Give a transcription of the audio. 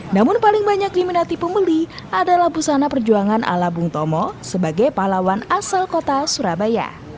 namun paling banyak diminati pembeli adalah busana perjuangan ala bung tomo sebagai pahlawan asal kota surabaya